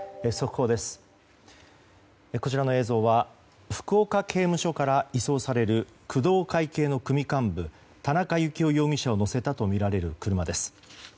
こちらの映像は福岡刑務所から移送される工藤会系の組幹部田中幸雄容疑者を乗せたとみられる車です。